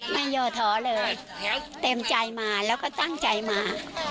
ย่อท้อเลยเต็มใจมาแล้วก็ตั้งใจมา